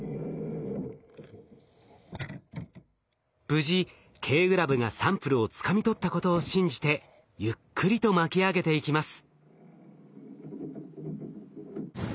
無事Ｋグラブがサンプルをつかみ取ったことを信じてゆっくりと巻き上げていきます。